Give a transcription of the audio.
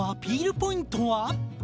ポイントは？